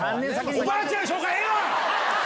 おばあちゃんの紹介ええわ！